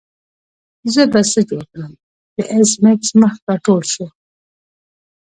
زه به څه جوړ کړم د ایس میکس مخ راټول شو